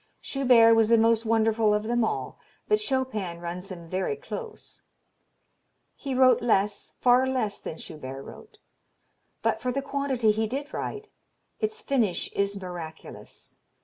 Schubert was the most wonderful of them all, but Chopin runs him very close. ... He wrote less, far less than Schubert wrote; but, for the quantity he did write, its finish is miraculous.